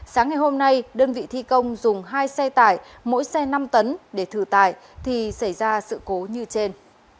sáng ngày hôm nay đơn vị thi công dùng hai xe tải mỗi xe năm tấn để thử tải thì xảy ra sự cố như trên